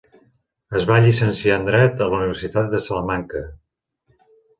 Es va llicenciar en Dret a la Universitat de Salamanca.